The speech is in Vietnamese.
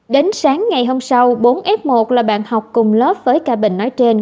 đến sáng ngày hôm sau bốn f một là bạn học cùng lớp với ca bình nói trên